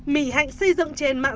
mỹ hạnh xây dựng trên mạng